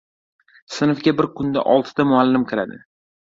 Sinfga bir kunda oltita muallim kiradi.